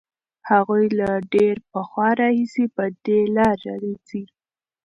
هغوی له ډېر پخوا راهیسې په دې لاره ځي.